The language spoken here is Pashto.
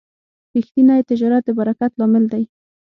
ریښتینی تجارت د برکت لامل دی.